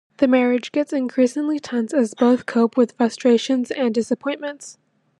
The marriage gets increasingly tense as both cope with frustrations and disappointments.